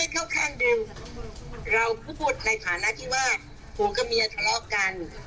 เราพูดในฐานะที่ว่าครูกับเมียทะเลาะกัน